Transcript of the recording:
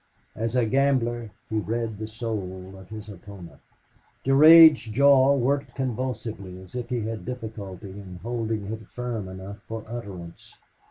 As a gambler he read the soul of his opponent. Durade's jaw worked convulsively, as if he had difficulty in holding it firm enough for utterance.